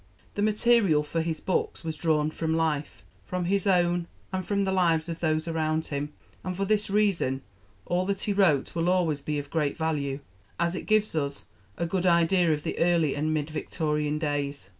The material for his books was drawn from life from his own and from the lives of those around him and for this reason all that he wrote will always be of great value, as it gives us a good idea of the Early and Mid Victorian days.